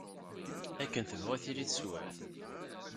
Akken tebɣu tili teswiɛt.